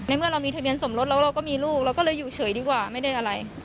เมื่อเรามีทะเบียนสมรสแล้วเราก็มีลูกเราก็เลยอยู่เฉยดีกว่าไม่ได้อะไร